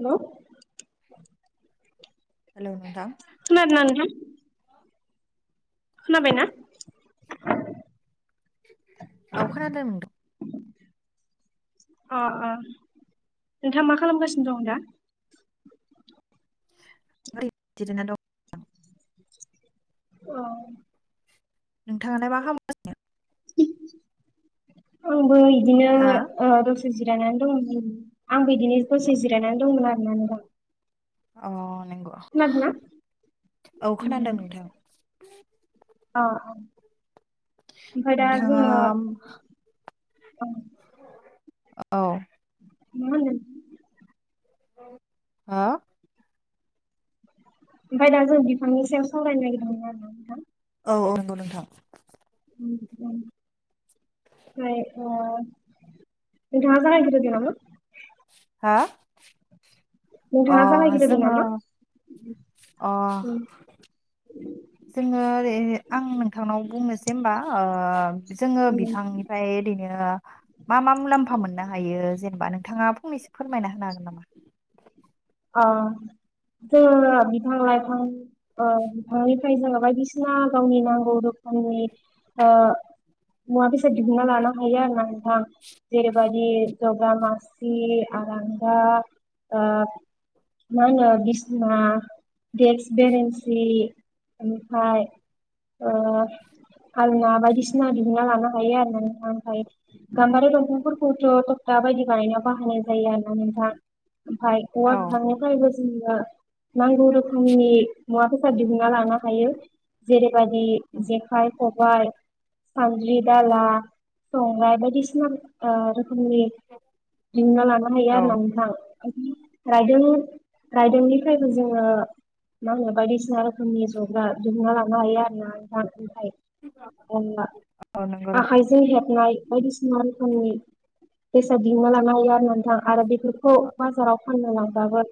हेल'। हेल' नोंथां। नोंथां खोनाबायना? औ खोनादों। [unintelligible] अ' अ' नोंथाङा मा खालामगासिनो दं दा? [unintelligible] अ नोंथाङालाय मा खामगासिनो? [unintelligible] आंबो इदिनो हा ओ दोंस दसे जिरायनानै दंमोन जेरै आं बिदिनो दसे जिरायनानै दंमोन आरोना नोंथां। अ नंगौ खोनादोंना औ खोनादों नोंथां। आ आ ओमफाय दा नोंथाङा जोङो अ औ मा होनदों नोंथां? ह आ ओमफाय दा जों बिफांनि सायाव सावरायनो नागिरदोंमोन आरो ना नोंथां। औ‌ औ नंगौ नोंथां‌। उम दं फ्राय ओ नोंथाङा जागायग्रोदो नामा? हा अ नोंथाङा जागायग्रोदो जोङो नामा? अ उम जोङो आर ए आं नोंथांनाव बुंनोसै होनबा ओ जोङो उम बिथांनिफ्राय एरै हायो मा मा मुलाम्फा मोननो ह हायो जेनेबा नोंथाङा फंनैसो फोरमायना होनो हागोन नामा? अ जोङो बिफां लाइफां ओ बिफांनिफ्राय जोङो बायदिसिना गावनि नांगौ रोख खोमनि ओ मुवा बेसाद दिहुनना लानो हायो आरोना नोंथां। जेरैबादि जग्रा मासि, आरांगा ओ मा होनो बिस्ना देक्स, बेरेन्सि ओमफाय ओ आलना बायदिसिना दिहुनना लानो हायो आरो नोंथां ओमफाय गाम्बारि दंफांफोरखौथ' टगटा टा बायदि बानायनायाव बाहायनाय जायो आरोना नोंथां। ओमफाय औवा औ बिफांनिफ्रायबो जोंनो नांगौ रोखोमनि मुवाफोर फोर दिहुनना लानो हायो जेरैबादि जेखाय, खब बाय सान्द्रि, दाला, संग्राय बायदिसिना ओ रोख खोमनि दिहुनना लानो हायो आरो औ ना नोंथां। रायदों रायदोंनिफ्रायबो जोङो मा होनो बायदिसिना रोखोमनि जग्रा दिहुनना लानो हायो आरो ना नोंथां ओमफाय बनना औ नंगौ नोंथां आखायजों हेबनाय बायदिसिना रोखोमनि बेसाद दिहुनना लानो हायो आरो ना नोंथां आरो बेफोरखौ बाजाराव फानना लांबाबो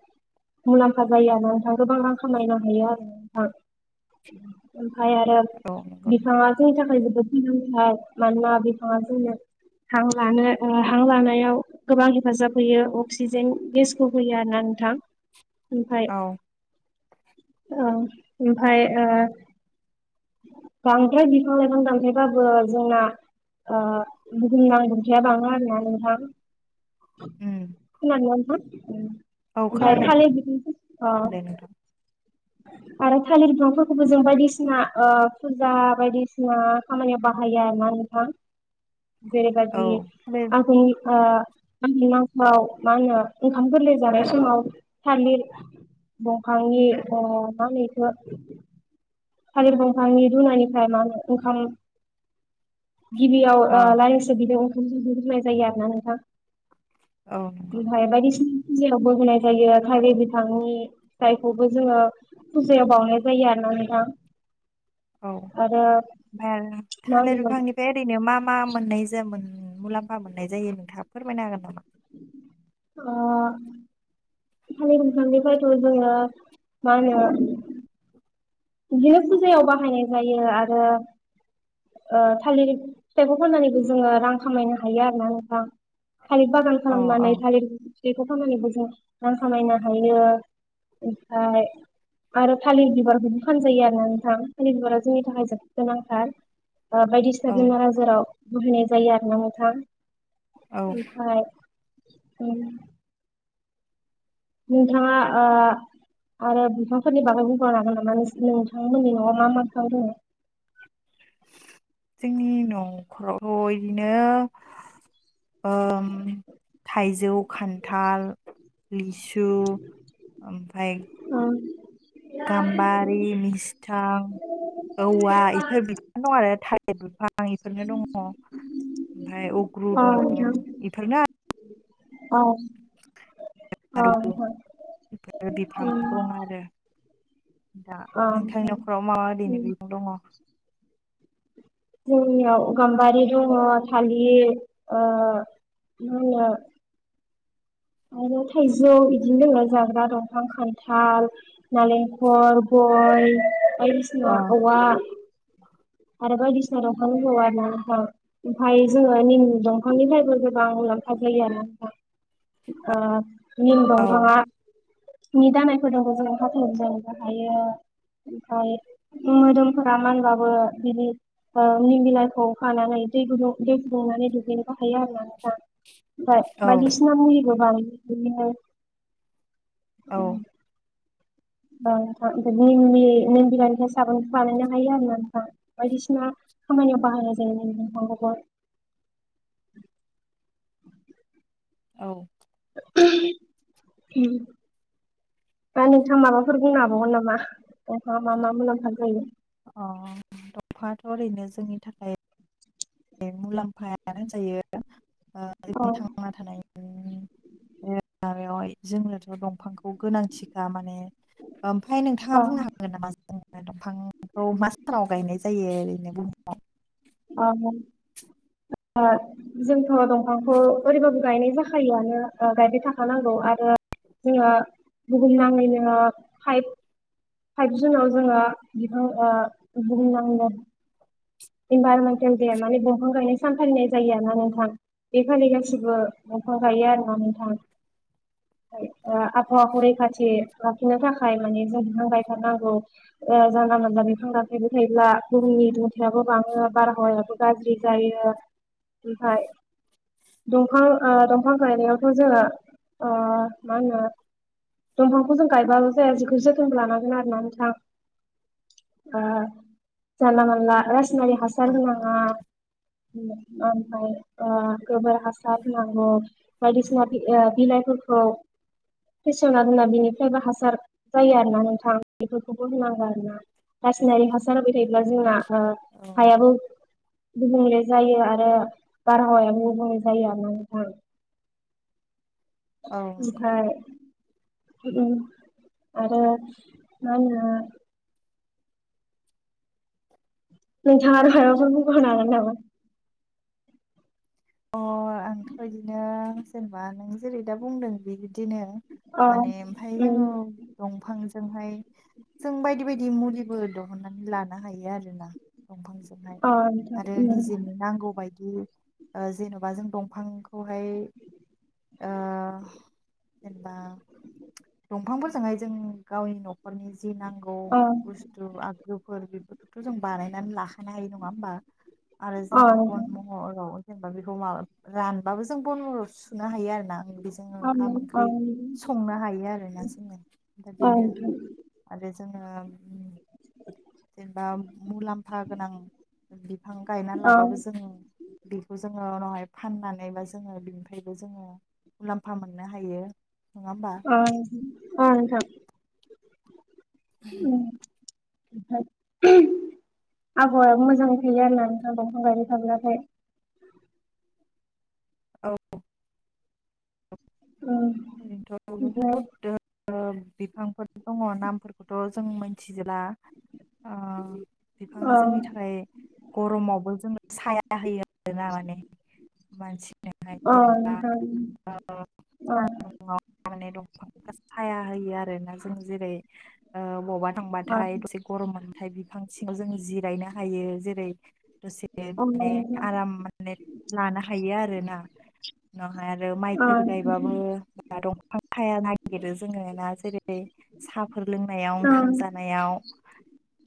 मुलाम्फा जायो आरो ना नोंथाङा गोबां रां खामायनो हायो आरो नोंथां। ओमफाय आरो औ नंगौ नोंथां बिफाङा जोंनि थाखाय जोबोद सिजौथार मानोना बिफांआ जोंनो हां लानो ओ हां लानायाव गोबां हेफाजाब होयो अक्सिजेन गेस खौ होयो आरोना नोंथां ओमफाय औ औ ओमफाय ओ बांद्राय बिफां लाइफां दानफायबाबो जोंना ओ बुहुम नां दुंथाया बाङो आरोना नोंथां। उम खोनादोंना नोंथां? औ अ ओमफाय खोनादों थालिर [unintelligible] अ दे नोंथां आरो थालिर बिफांफोरखौबो जों बायदिसिना ओ फुजा बायदिसिना खामानियाव बाहायो आरो ना नोंथां। औ जेरैबायदि बे आघोननि ओ आघोन मासाव मा होनो ओंखाम गोरलै जानाय समाव थालिर दंफांनि अ मा होनो इखो थालिर दंफांनि रुनानिफ्राय मानो ओंखाम गिबियाव अ ओ लाइसो [unintelligible] ओंखाम [unintelligible] होननाय जायो आरोना नोंथां। औ नंगौ भायबारिस फुजायावबो होनाय जायो थागिर बिथांनि फिथाइखौबो जोङो फुजायाव बावनाय जायो आरो औ नोंथां। औ आरो ओमफ्राय आरो मा थालिर होनो बिफांनिफ्राय ओरैनो मा मा मोननाय जायोमोन? मुलाम्फा मोन्नाय जायो नोंथाङा फोरमायनो हागोन नामा? ओ थालिर बिफांनिफ्रायथ' जोंडो मा होनो बि फुजायाव बाहायनाय जायो आरो ओ थालिर फिथाइखौ फाननानैबो जोङो रां खामायनो हायो आरोना नोंथां। थालिर बागान अ औ खालामनानै थालिर बेखौ खालामनानैबो जों रां खामायनो हायो। ओमफ्राय आरो थालिर बिबारखोबो फानजायो आरोना नोंथां। थालिरजोंनि थाखाय जोबोद गोनांथार। ओ बायदिसिना औ बेमार आजाराव बुहैनाय जायो आरोना नोंथां। औ ओमफाय नोंथाङा ओ आरो बिफांफोरनि बागै बुंबावनो हागोन नामा नोंथांमोननि न'आव मा मा बिफां दोङो? [unintelligible] जोंनि नख'रावथ' इदिनो ओम थाइजौ, खान्थाल, लिसु ओमफाय [inaudible] गाम्बारि, मिस्थां, औवा इफोर बिफां दं आरो बिफां इफोरनो दङ ओमफ्राय अग्रु दङ इफोरनो आ औ। आरो बिफां [inaudible] दं आरो दा नोंथांनि नख'राव मा मा ओरैनो उम बिबं दङ? जोंनियाव गाम्बारि दङ थालिर ओ मा होनो आरो थाइजौ बिदिनो दों जाग्रा दंफां खान्थाल नालेंखर गय बायदिसिना अ औवा आरो बायदिसिना दंफां दं आरोना नोंथां। ओमफफ्राय जोङो निम दंफांनिफ्रायबो गोबां [unintelligible] जायो आरोना नोंथां। ओ निम औ दंफांआ नि दानायफोरजोंबो जों हाथ' जोंनो हायो। ओमफाय मोदोमफोरा मानबाबो बिनि निम बिलाइखौ खानानै दै गुदुं दै फुदुंनानै दुगैनोबो हायो आरोना ओमफ्राय औ बायदिसिना मुुलि बो बिदिनो औ। ओम नोंथां निमनि निम बिलायनिफ्राय साबोनखौ बानायनो हायो आरोना नोंथां। बायदिसिना खामानियाव बाहायनाय जायो निम दंफांखौबो। [inaudible] औ। [inaudible] दा नोंथां माबाफोर बुंनोहाबावगोन नामा दंफाङा मा मा मुलाम्फा जायो? अ दंफाङाथ' ओरैनो जोंनि थाखाय मुलाम्फायानो होनजायो ओ औ जोंनि थांना थानायनि माबायावहाय जोंनोथ' दंफांखौ गोनांथिखा माने। ओमफ्राय नोंथाङा औ बुंनो हागोन नामा [unintelligible] दंफांखौ मा सानाव गायनाय जायो ओरैनो बुहुमाव? अ [unintelligible] जोंथ' दंफांखौ ओरैबाबो गायनाय जाखायोआनो ओ गायबाय थाखानांगौ आरो जोङो बुहुमनाङै नो फाइब फाइभ जुनाव जोङो बिफां ओ बुंनांगोन इनभारमेन्टेल दे माने दंफां गायनाय सानफालिनाय जायो आरो ना नोंथां। बेखालि गासैबो दंफां गायो आरो ना नोंथां। खाय आबहावाखौ रैखाथि लाखिनो थाखाय माने जों बिफां गायथार नांगौ। ओ जानला मानला बिफां दानफायबाय थायोब्ला बुहुमनि दुंथायाबो बाङो बारहावायाबो गाज्रि जायो ओमफ्राय दंफां ओ दंफां गायनायावथ' जोङो ओ मा होनो दंफांखौ जों गायबाल' जाया बेखौ जोथोनबो लानांगोन आरोना नोंथां। ओ जानला-मानला रासायनारि औ हासार नंगौ होनांआ। नोंथां ओमफ्राय ओ गोबोर हासार होनांगौ बायदिसिना बि ओ बिलाइफोरखौ फेसेवना दोनना बेनिफ्रायबो हासार जायो आरो ना नोंथां बेफोरखौबो होनांगौ आरो ना। रासायनारि हासार होबाय थायोब्ला जोंना ओ नंगौ। हायाबो गुबुंले जायो आरो बारहावायाबो गुबुंले जायो आरोना नोंथां। [inaudible] औ नंगौ। उम आरो मा होनो नोंथांआ आरो हायावबो लुगारनो हागोननामा? अ आंथ' इदिनो जेनेबा नों जेरै दा बुंदों बि बिदिनो। अ माने ओमफ्राय उम जोङो दंफां दंफांजोंहाय जों बायदि- बायदि मुलिबो दिहुननानै लानो हायो आरो ना। दंफांजोंहाय अ नोंथां आरो उम निजेनि नांगौबायायदि ओ जेन'बा जों दंफांखौहाय ओ जेनेबा दंफांफोरजोंहाय जों गावनि न'खरनि जि नांगौ अ बुस्थु आगजुफोर बेफोरख थ' जों बानायनानै लाखानो हायो नङाहोमबा आरो अ जोङो बन नोंथां महराव जेनेबा बेखौ माबा रानबाबो जों बन महाराव सुनो हायो आरोना। बेजों अ ओंखाम-ओंख्रि नोंथां संनो हायो आरोना जोङो दा अ बेनो नोंथां आरो जोङो जेनेबा मुलाम्फा गोनां बिफां गायना अ लाबाबो जों बेखौ जोङो उनावहाय फाननानैबा जोङो बिनिफ्रायबो जोङो मुलाम्फा मोननो हायो। नङा होमबा ओ ओ नोंथां। ओम। आबहावाया मोजाङै थायो आरो ना नोंथां दंफां गायबाय थाब्लाथाय। औ उम ओरैनोथ' ओमफ्राय बहुद ओ बिफांफोर दङ नामफोरखौथ' जों मोनथिजोबला। आ बिफाङा अ जोंनि थाखाय गरमावबो जोंनो साया होयो आरोना माने मानसि बेहाय अ जेनेबा नोंथां ओ अ सान्दुंआव माने दंफांआ साया होयो आरोना जों जेरै ओ बबावबा अ थांबाथाय दसे गरम मोनब हाथाय बिफां सिङाव जों जिरायनो हायो जेरै दसे अ नोंथां अ माने नोंथां आराम माने लानो हायो आरो ना। उनावहाय आरो अ माइफोर नोंथां गायबाबो दंफां साया नागिरो जोङो ना जेरै सफा फोर लोंनायाव उम ओंखाम जानायाव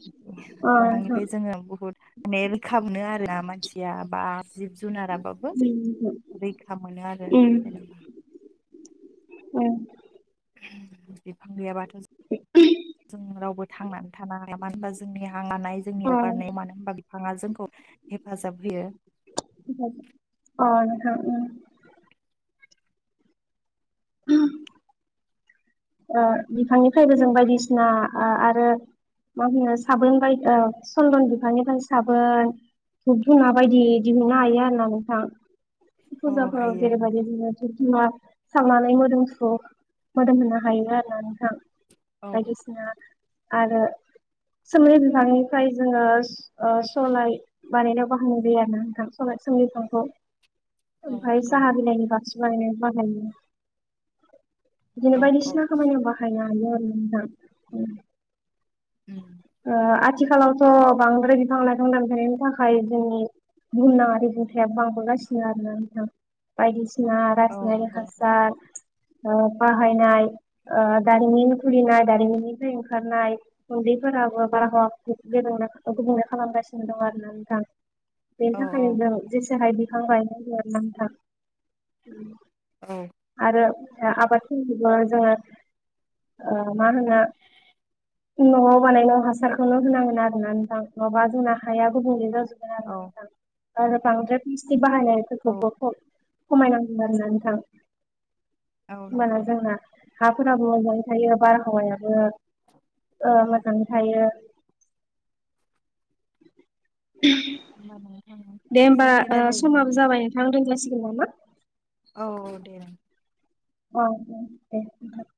बिदि दंफांनिफ्राय जोङो बुहुद माने रैखा आरोना मानसिया बा जिब जुनारा उम रैखा मोनो आरो जेनेबा औ बिफां गैयाबाथ' ओ जों रावबो थांनानै थानो हाला मनो होनबा जोंनि हांलानाय जोंनि हगारनाय मानो होनबा बिफाङा जोंखौ हेफाजाब होयो। अ' नोंथां उ [unintelligible] ओ बिफांनिफ्रायबो जों बायदिसिना आरो मा होनो साबोन बायदिसिना सनदन बिफांनिफ्राय साबोन धुब धुना बायदि दिहुननो हायो आरोना नोंथां औ फुजाफ्राव हायो जेरैबायदि नोंथां बिबारफोर धुना सावनानै मोदोमफ्रु मोदोम होनो हायो आरो ना नोंथां। औ बायदिसिना आरो सोमलि बिफांनिफ्राय जोङो स'लाय बानायनायाव बाहायनाय जायो आरो ना नोंथां स'लाय सुमलि बिफांखौ औ ओमफाय नंगौ साहा नोंथां बिलायनि बारसु बानायनायाव बाहायो बिदिनो औ औ बायदिसिना खामानियाव बाहायनो हायो आरो नोंथां। उम ओ आथिखालावथ' बांद्राय बिफां-लाइफां दफायनायनि थाखाय थाखाय जोंनि बुंहुमना आरि बिदुथाइआ बांबोगासिनो आरो ना नोंथां बायदिसिना बायदिसिना औ रासनारिक नंगौ नोंथां हासार ओ बाहायनाय ओ दारिमिननि खुलिनाय दारिमिननिफ्राय ओंखारनाय उन्दैफोराबो बारहावा गुबुंल खालामगासिनो दं आरोना नोंथां। बेनि औ थाखायनो नों जेसेहाय बिफां गायनांगौ आरो नोंंथां। औ आरो आबादखौबो जोङो ओ मा होनो न'आव बानायनाय हासारखौल' होनांगोन आरोना नोंथां नङाबा जोंना हाया गुबुंले जाजोब गोन आरो औ नोंथां बांद्राय प्लास्टिक बाहायनायफोरखौ खमायनांगोन आरो ना नोंथां औ होनोमबाना नंगौ नोंथां जोंना हाफोर थायोबा मोनो हौवाया ओ मोजाङै थायो [inaudible] [unintelligible] दे होमबा ओ समाबो रायलायनायनि जाबाय नोंथां दोनजासिगोन नामा? औ औ दे। औ दे दे दोनथ'